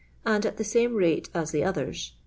and at thi* sanw. rale at the othersi.